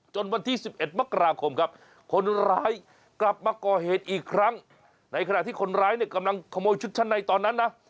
วันที่๑๑มกราคมครับคนร้ายกลับมาก่อเหตุอีกครั้งในขณะที่คนร้ายเนี่ยกำลังขโมยชุดชั้นในตอนนั้นนะ